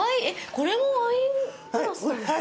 これもワイングラスなんですか？